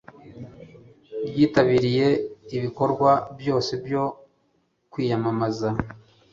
ryitabiriye ibikorwa byose byo kwiyamamaza